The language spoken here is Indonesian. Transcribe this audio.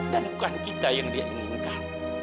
dan bukan kita yang dia inginkan